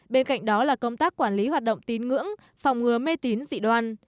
bên cạnh đó là công tác quản lý hoạt động tín ngưỡng phòng ngừa mê tín dị đoan